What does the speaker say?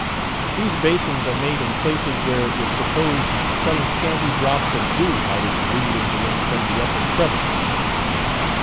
These basins are made in places where it was supposed some scanty drops of dew might exude into them from the upper crevices.